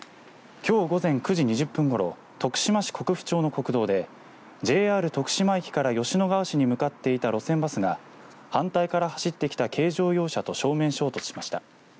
きょう午前９時２０分ごろ徳島市国府町の国道でＪＲ徳島駅から吉野川市に向かっていた路線バスが反対から走ってきた軽乗用車と正面衝突しました。